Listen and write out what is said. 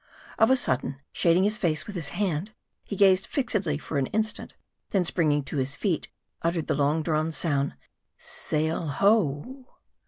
Of a sudden, shading his face with his hand, he gazed fixedly for an instant, and then springing to his feet, uttered the long drawn sound " Sail ho